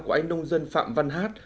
của anh nông dân phạm văn hát